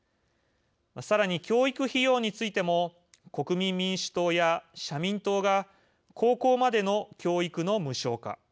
さらに、教育費用についても国民民主党や社民党が高校までの教育の無償化。